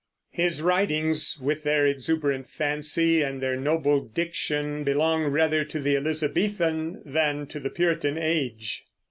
His writings, with their exuberant fancy and their noble diction, belong rather to the Elizabethan than to the Puritan age.